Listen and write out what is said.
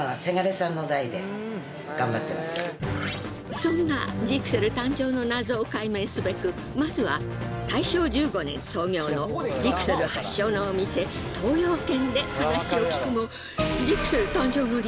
そんなジクセル誕生の謎を解明すべくまずは大正１５年創業のジクセル発祥のお店東洋軒で話を聞くも。